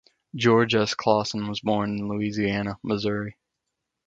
George S. Clason was born in Louisiana, Missouri.